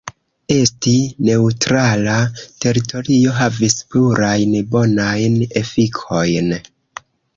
Esti "neŭtrala" teritorio havis plurajn bonajn efikojn.